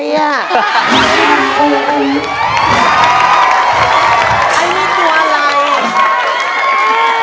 ไอนี่ตัวอะไร